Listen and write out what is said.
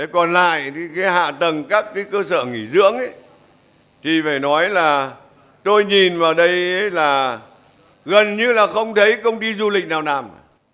còn lại thì cái hạ tầng các cái cơ sở nghỉ dưỡng thì phải nói là tôi nhìn vào đây là gần như là không thấy công ty du lịch nào nào